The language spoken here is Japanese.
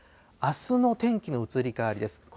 あすの天気の移り変わりです。